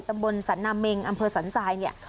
ตำบลสันนาเมงอำเภอสันทรายเนี่ย